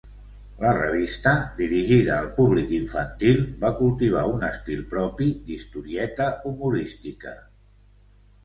La revista, dirigida al públic infantil, va cultivar un estil propi d'historieta humorística.